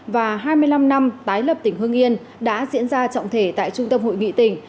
và hai mươi năm năm tái lập tỉnh hương yên đã diễn ra trọng thể tại trung tâm hội nghị tỉnh